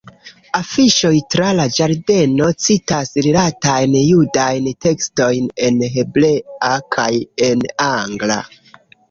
Afiŝoj tra la ĝardeno citas rilatajn judajn tekstojn en hebrea kaj en angla.